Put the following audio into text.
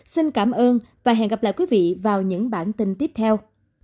xin cảm ơn và hẹn gặp lại quý vị vào những bản tin tiếp theo